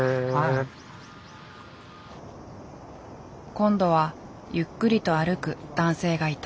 今度はゆっくりと歩く男性がいた。